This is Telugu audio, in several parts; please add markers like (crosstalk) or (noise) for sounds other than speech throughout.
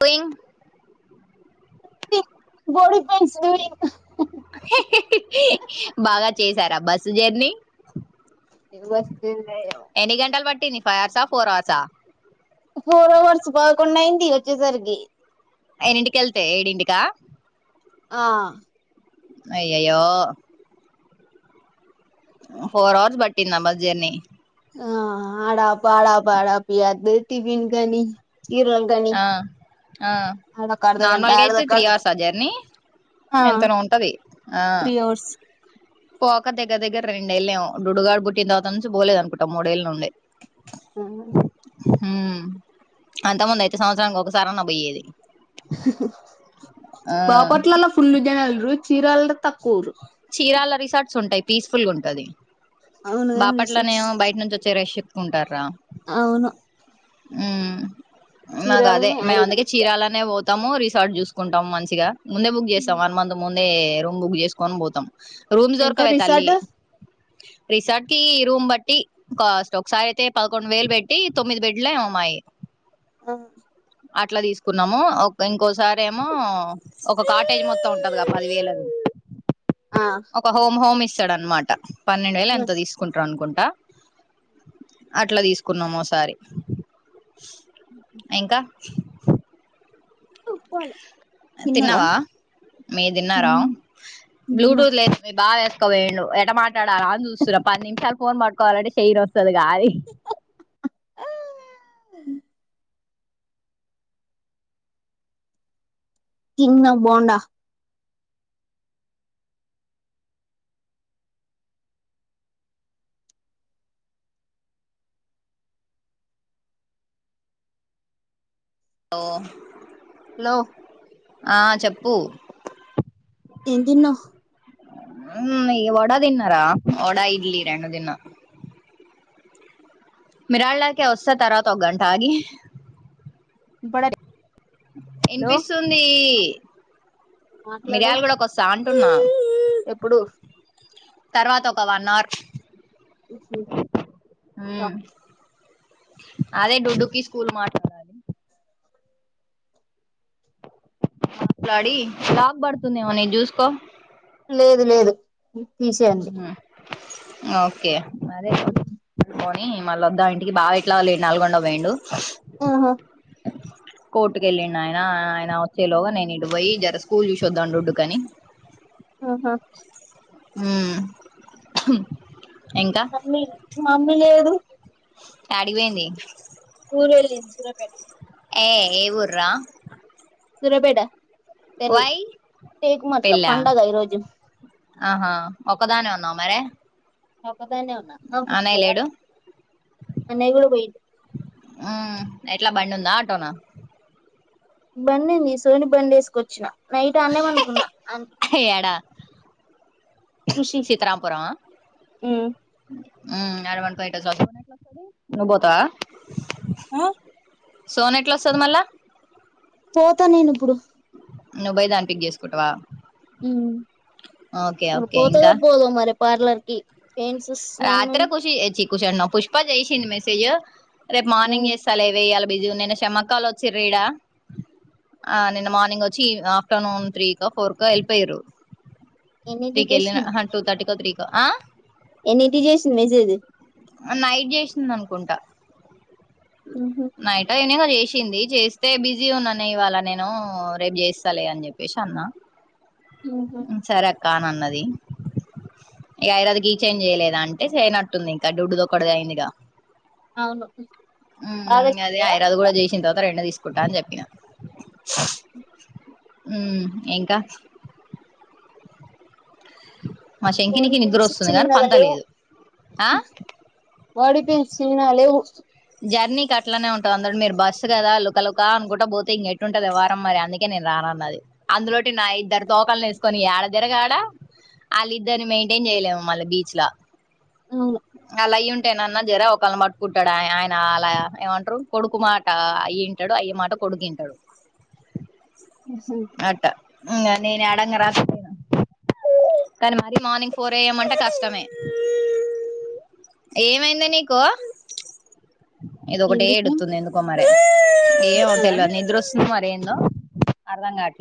పొయింగ్ బాడీ పెయింట్స్ వి బాగా చేశారా బస్సు జర్నీ ఎం నస్తున్నాయో ఎన్ని గంటలు పట్టింది ఫై అవర్సా ఫోర్ అవర్సా ఫోర్ అవర్స్ పదకొండు అయింది వచ్చేసరికి ఎన్నింటికి వెళ్తే ఏడింటికా ఆ అయ్యయ్యో ఫోర్ అవర్స్ బట్టిందా బస్ జర్నీ ఆ ఆడాప్ ఆడప్ ఆడప్ అద్ది టిఫన్ కని ఇర కని ఆ ఆ అర్ధగంట నార్మల్గా అయితే అడక త్రీ అడతర్ అవర్సా జర్నీ ఆ ఎంతనో ఉంటది ఆ త్రీ అవర్స్ పోక దగ్గర దగ్గర రెండేళ్ళెమొ దుడుగాడు బుట్టిన తరువత నుంచి పోలేదునుకుంటా మూడేళ్ళ నుండి ఆ అంత ముందు అయితే సంవత్సరానికి ఒకసారి అయినా పోయేది ఆ బాపట్లలా ఫుల్ జనల్ చీరల్ తక్కువ్ చీరాల రిసార్ట్స్ ఉంటాయ్ పీస్ఫుల్ గా ఉంటది అవును గాని రిసార్ట్స్ బాపట్లనేమొ బయట నుంచి వచ్చే రష్ ఎక్కువుంటారా అవును ఉ నాకు అదే చీరాలనే మేము ఆడినం అందుకే ఎక్కువ చీరాలనే పో తము రిసార్ట్ జూసుకుంటము మంచిగా ముందే బుక్ చేస్తాం వన్ మంత్ ముందే రూమ్ బుక్ చేసుకోని పో రూమ్ దొర్కవే తల్లి ట్ రిసార్ట్ కి ఇ రూమ్ బట్టి కాస్ట్ ఒకసారి అయితే పదకొండు వేలు పెట్టి తొమ్మిది బెడ్లొ ఏమో మ్మాయి ఆ అట్లా తీసుకున్నాము ఒక ఇంకోసారి ఏమో ఒక కాటేజ్ మొత్తం ఉంటది కద పది వేల ఆ ఒక హోమ్ హోమ్ ఇస్తాడు అనమాట పన్నెండు వేలొ ఎంతో తీసుకుంటారు అనుకుంటా అట్ల తీసుకున్నాము ఓసారి ఉ ఇంకా ఉప్పాల్ తిన్నావా మీరు దిన్నారా తిన్న తిన్న బ్లూటూత్ లేదు మీ బావ ఏసుకా వేండు ఎట మాట్లాడాలా అని చూస్తున్నా పది నిమిషాలు ఫోన్ పట్టుకోవాలంటే శైయి నొస్తది కాదె ఆ ఓ తినా బోండా ఓ హలో ఆ చెప్పు ఏంతిన్నవ్ ఉమ్ ఈ వడ తిన్నారా వడా ఇడ్లీ రెండు తిన మిరాళ్ళకి వస్త తర్వాత ఓగంటాగి డది ఇనిపిస్తుంది మాట్లాడు మిరియాల గుడకు ఓస్తా అంటున్నా ఎప్పుడు తర్వాత ఒక వన్ అర్ ఉ ఉమ్ అదే టుడూకి స్కూల్ మాట్ల మాట్లాడి లాగ పడుతుందేమో నీది చూసుకో లేదు లేదు తీసేయండి మ్మ్ ఓకే మరి ఉ పోని మళ్ళ వద్దాం ఇంటికి బావ ఎట్లా లేడు నల్గొండ వేయిండు ఆహా కోర్టుకు వెళ్ళిండు ఆయన ఆయన వచ్చేలోగా నేను ఇటు పోయి జర స్కూల్ చూసొద్దం రుడ్డుకని ఆహా ఉమ్ హుమ్ ఇంకా మీక్ మమ్మీ లేదు యాడిగిపోయింది ఊరు వెళ్ళింది సూర్యపేట ఏ ఏ ఊరు రా సూర్యాపేట తెల్ వై టేకుమట్ల పెళ్ళా పండగ ఈరోజు ఆహా ఒక్కదానివే ఉన్నావా మరి ఒక్కదాన్నే ఉన్నా ఆ ఆఫీస్ కి లేడు పోవాలే అన్నయ్య కూడా పోయిడు ఉ ఎట్లా బండి ఉందా ఆటోన బండి ఉంది సోని బండి వేసుకొచ్చిన నైట్ ఆనే పండుకున్న ఏడ ఖుషి చిత్రపురమ ఉ ఆడ పండుకో అయితే నువ్వు పోతావా ఆ సోనీ ఎట్లా వస్తుంది మళ్ళా పోతా నేను ఇప్పుడు నువ్వు పోయి దాని పిక్ చేసుకుంటవా ఊ పోతాదో ఇంకా పోదో మరి పార్లర్ కి పెయిన్స్ రాత్ర నిన్ను కుషిచ్చి కుష అంటున్న పుష్ప చేసింది మెసేజ్ రేపు మార్నింగ్ వస్తా లేవే బిజీగా ఉన్న మక్కాలు వలసిల్లు ఈడ ఆ నిన్న మార్నింగ్ వచ్చి ఆఫ్టర్నూన్ త్రీ కో ఫోర్ కో వెళ్ళిపోయారు ఎన్నిటి త్రీకి చేసింది వెళ్ళ టూ తథర్టీ కో త్రీ కో ఆ ఎన్ని ఇంటి చేసింది మెసేజ్ నైట్ చేసింది అనుకుంటా ఉహు నైట్ అయినా చేసింది చేస్తే బిజీ ఉన్నానే ఇవాళ నేను రేపు చేస్తాలే అని చెప్పేసి అన్నా ఉ హు సరే అక్క ఆన్నది ఇగ ఐరన్ కీ చైను చేయలేదా అంటే చేయనట్టుంది ఇంకా దోడ్డు దొడ్డు ఒకటి అయింది ఇగా అవును ఉ బాగా అదే వచ్చినాయా ఐదోవది కూడా చేసిన తర్వాత రెండు తీసుకుంటా కుంటా అని చెప్పిన ఊ ఇంకా మా బాడీ శంకినికి పెయిన్స్ నిద్రొస్తుంది కాని చిన్నగా పంట లేదు ఆ ఓడిపోయింది చిన్న లేవు జర్నీకి అట్లానే ఉంటుంది అందండి మీరు బస్సు కదా లుకలుక అనుకుంట పోతే ఇంకెట్టు ఉంటుంది వారం మరి అందుకే అందుకే నేను రాను అన్నది అందులోటి నా ఇద్దరు తోకాలని వేసుకొని ఏడ తిరగాల ఆడా వాళ్ళిద్దరిని మెయింటైన్ చేయలేము మళ్ళీ బీచ్ ల అవును అలా అయ్య ఉంటేనన్నా జర ఒకళ్ళని మట్టుకుంటాడు ఆ ఆయన అలా ఏమంటారు కొడుకు మా మాట అయ్యుంటాడు అయ్య మాట కొడుకు ఇంటడు ఉ హు అట్టా నేను అడంగ రాను కానీ మరీ మార్నింగ్ ఫోర్ ఏఎం అంటే కష్టమే ఏమైంది నీకు ఇది ఒకటే ఏంటికి ఎడుతుంది ఎందుకో మరి ఏంమో ఉన్నదా తెలువది నిద్ర వస్తుందేమో మరేందో అర్థం కావట్లే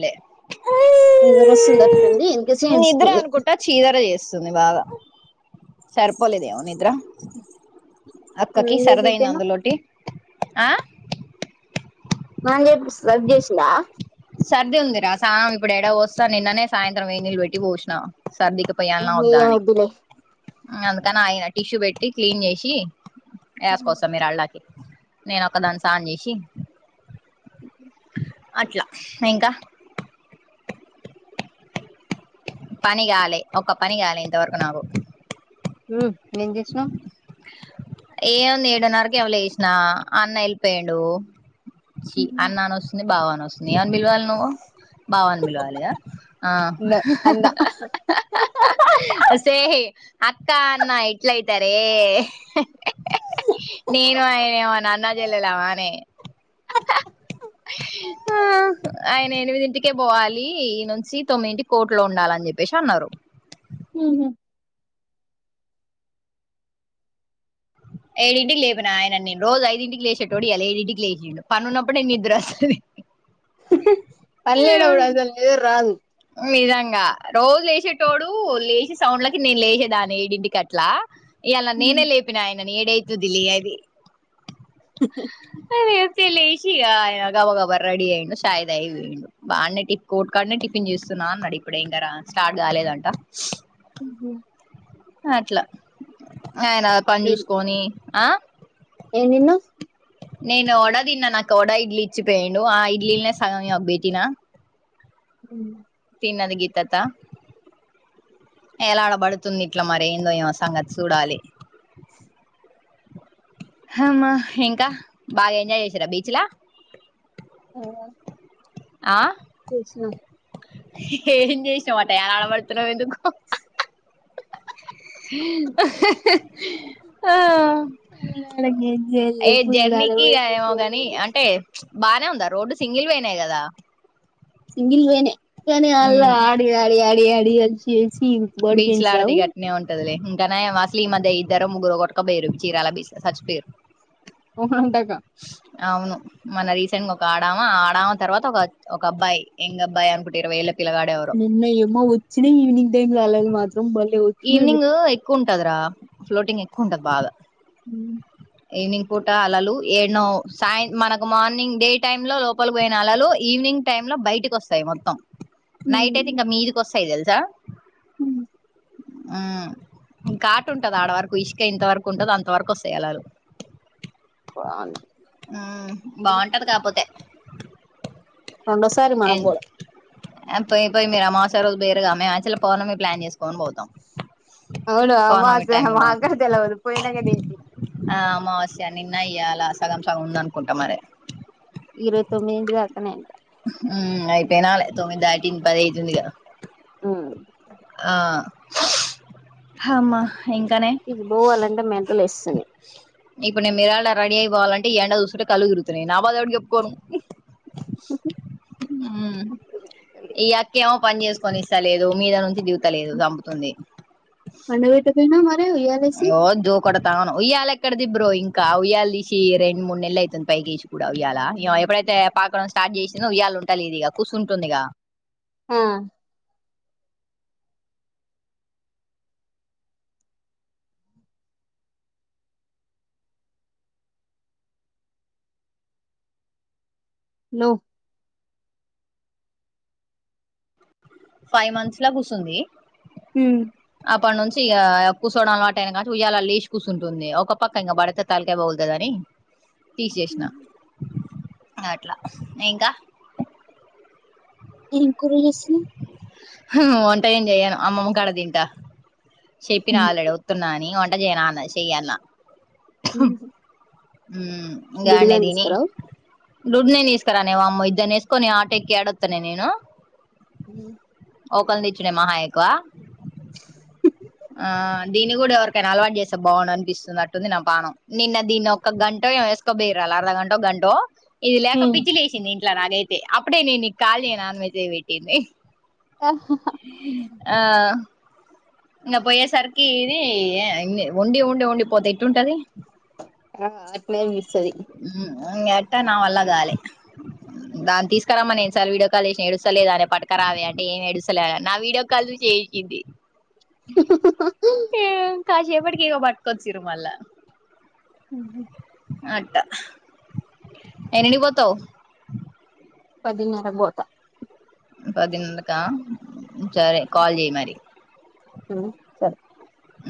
నిద్ర వస్తున్నట్టుంది అందుకే నిద్ర ఏడుస్తుంది అనుకుంటా చీదర చేస్తుంది బాగా సరిపోలేదేమో నిద్ర అక్కకి ఏం సరదైంది చేపిస్తేను అందులోటి ఆ స్నానం చేపిస్తే సర్ది చేసిందా సర్ది ఉందిరా స్నానం ఇప్పుడు ఏడ పోస్తా నిన్ననే సాయంత్రం వేడి నీళ్లు పెట్టి పోసినాం సర్దికి ఉయ్యాల వద్ద ఏం అని వద్దులే అందుకని ఆయన టిష్యూ పెట్టి క్లీన్ చేసి వేసుకోస్తాం మీరు అళ్ళకి నేను ఒక్కదాన్ని స్నానం చేసి అట్ల ఇంక పని గాలే ఒక్క పని గాలే ఇంతవరకు నాకు ఉమ్ ఏం చేసినవ్ ఏమున్ ఏడున్నరకేమో లేసినా అన్న యెళ్ళిపోయిండు చి అన్న ఇంగ అని వస్తుంది బావ అని వస్తుం ఏవని బిలివాల్ నువు బావ అని బిలువాలి గా అ అందా ఒసేయ్ అక్క అన్న ఎట్లయితరే నేను ఆయనేమన్న అన్న చెల్లలమానె బ్లాంక్ ఆ ఆయన ఎనిమిదింటికే పోవాలి ఈ నుంచి తొమ్మిదింటికి కోట్లో ఉండాలని చెప్పేసి అన్నరు ఊహు ఏడింటికి లేపిన ఆయన నేను రోజు ఐదింటికి లేసేటోడు ఇయాల ఏడింటికి లేసిండు పనునప్పుడే నిద్ర వస్తది పన్లేనప్పుడు అసల్ నిద్ర రాదు నిజంగా రోజు లేసేటోడు లేచే సౌండ్లకి నేను లేసేదాన్ని ఏడింటికట్లా ఇయ్యాల నేనే లేపిన ఆయనని ఏడైతుందిలే లే అని అదే సి లేశి ఇగా గబగబా రెడీ అయ్యిండు శాయ్ దాగి వొయిండు బాన్నె టి కోట్కాడనే టిఫిన్ చూస్తున్నా అన్నడు ఇప్పుడే ఇంకరా స్టార్ట్ కాలేదంట ఉహు అట్ల ఆయన పని జూసుకొని ఆ ఏందిన్నావ్ నేను ఓడ దిన్నా నాకు ఒడా ఇడ్లీ ఇచ్చిపోయిండు ఆ ఇడ్లీనే సగం ఈమెక్ బెట్టిన ఊ తిన్నది గీత్తత్త ఎలా ఆడబడుతుంది ఇట్ల మరి ఏందో ఏమో సంగత్ చూడాలి హమ్మ ఇంకా బాగ్ ఎంజాయ్ జేశిరా బీచ్ లా ఇంగా ఆ తీష్నా ఏం చేసినావట యలాడ పడుతున్నావ్ ఎందుకు ఆ ఆడ గేమ్ చేయాలి ఏ చెప్పు ఇప్పుడు ఆడ జర్నీకి ఇగ పోయి ఏమో గని అంటే బానే ఉందా రోడ్డు సింగిల్ వే నే గదా సింగిల్ వేనే కాని అళ ఉమ్ ఆడి ఆడి ఆడి ఆడి అలిసి అలిసి బడి పెంచ రావు టదిలే ఇంక నయం అసలి మధ్య ఇద్దరో ముగ్గురో గొటకపోయిరు చీరాల బీచ్ ల సచ్చిపోయిరు వంటకా అవును మన రీసెంట్ గా ఒక ఆడామా ఆడమ తర్వాత ఒక ఒక అబ్బాయి ఎంగ్ అబ్బాయ్ అనుకుంట ఇరవైఏళ్ళ పిల్లగాడే ఉన్నయమ్మా వచ్చిన ఈవినింగ్ టైమ్లో అలాగా మాత్ ఈవినింగ్ ఎక్కువ ఉంటదిరా ఫ్లోటింగ్ ఎక్కువ ఉంటది బాగా మ్మ్ ఈవినింగ్ పూట అలలు ఏడ్నో సాయంత్ మనకు మార్నింగ్ డే టైమ్ లో పలికి పోయిన అళలు ఈవినింగ్ టైమ్ ల బయటిక్ ఒస్తాయ్ మొత్తం నైట్ అయితే ఇగా మీదికొస్తయ్ తెలుసా ఉమ్ హ్మ్ కాటా ఉంటదాడ వరకు ఇసుక ఇంతవరకు ఉంటది అంతవరకు వస్తయ్ అలలు (inaudible) ఉమ్ బాగుంటది కాక్పోతే రెండోసారి మనం బోయే ఆ పోయి పోయి మీరు అమావాస్య రోజు బోయిర్రూ గా, మేం యాక్టువల్లి పౌర్ణమి ప్లాన్ చేస్కొన్ పోతం. అవును అమావాస్య బాగుంది మాగాన్ తెలువదు పోయినంగ తెలిసి ఆ అమావస్య నిన్న ఇయ్యాల సగం సగం ఉందనుకుంటా మరి ఈరోజు తొమ్మిదిన్టికీ ఆస్తున్నయంట హ్మ్ అయ్ తినాలి తొమ్మింది దాటింది పది ఐతుంది ఇగ హ్మ్ ఆ హమ్మ ఇది బోవాలంటే మెంటలొస్తుంది ఇప్పుడు నేను నిరాళ రెడీ అయ్పోవాలంటే ఎండ చూస్తుంటె కళ్లు తిరుగుతున్నయ్ నా బాద ఎవడికి జెప్పుకోను ఉమ్ ఈ యాక్కేమో పన్ జేస్ కొనిస్స లేదు మీద నుంచి దిగుతలేదు జంపుతుంది పండబెట్టబోయినవ్ మరి ఉయ్యాలేసి? కొడతాను ఉయ్యాల ఎక్కడది బ్రో ఇంకా, ఉయ్యల తీసి రెండు మూడు నెల ఐతుంది పైకేషి కుడా ఉయ్యాలా ఇగ ఎప్పుడైతే పాకడం స్టార్ట్ జేసిందో ఉయ్యాలొ ఉంటలేదిగా ఇగ కుసుంటుంది ఇగా హా లో ఫైవ్ మంత్స్ ల కూసుంది ఉమ్ అప్పట్నుంచి ఇగ కూసోవడం అలవాటయినా నాచు ఉయాలా లేశ్ కూసున్టుంది ఇగ ఒక పక్క ఇంకా బడత తళకాయ పగులుతదని తీషేశిన అట్లా ఇంకా ఏమ్ కూర జెస్తున్నవ్ హు వంటెం చెయను అమ్మమ్మ కాడ తింటా, శెప్పిన ఆల్రెడీ వత్ తున్నాని వంట జెయన అన్నది షెయ్యన్న ఉమ్ ఇంగ ఆయన దుడుగాని దిని తీసుకురావు దుడ్నే నే తీసుకురానే వామ్మో ఇద్దరినేసుకొని ఆటో ఎక్కి యాడోత్తనే నేను ఉమ్ ఒకల్ తెచ్చుడే మహా ఎక్కువ ఆ దీన్ని కూడా ఎవరికైనా అలవాటు చేస్తే బాగుండు అనిపిస్తుంది అట్టుంది నా పానం నిన్న దీన్ని ఒక్క గంటో ఏమో యెస్ ఒక్క బేరాలొ అర్ధ గంటో గంటో ఇది లేక పిచ్చి లేసింది ఇంట్ల నాకైతే అప్పుడే నేన్ నీక్ కాల్ జేయనా అన్ మెసేజ్ పెట్టింది ఆహాహ ఆ ఇంగ పోయేసరికి ఇది యే ఇన్ని ఉండి ఉండి ఉండిపోతే ఎట్టుంటది? ఆ అట్లన్ పిస్తది ఉమ్ ఇన్గట్టా నా వల్ల గాలె దాన్ తీసుకురమ్మ నేన్ సార్లు వీడియో కాల్ జేష్ణ ఎడుస్ సలేదానే పట్క రావే అంటే ఏమ్ ఎడుస్తలే నా వీడియో కాల్ జూసి ఏడ్షింది ఏం కాశేపటికి ఇగ పట్కొచ్చిర్రూ మల్లా. ఉహు అట్టా ఎన్నింటికి పోతవ్ పదిన్నరకి పోతా పదిన్నరకా సరే కాల్ చేయి మరి. ఉ ఊ